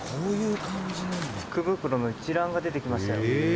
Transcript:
「福袋の一覧が出てきました。